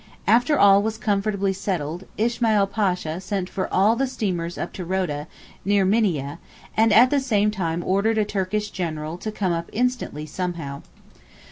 After all was comfortably settled, Ismail Pasha sent for all the steamers up to Rhoda, near Minieh, and at the same time ordered a Turkish General to come up instantly somehow.